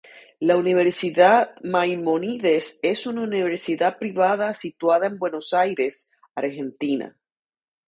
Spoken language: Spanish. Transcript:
La Universidad Maimónides es una universidad privada situada en Buenos Aires, Argentina.